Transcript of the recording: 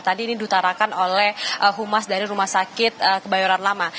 tadi ini diutarakan oleh humas dari rumah sakit kebayoran lama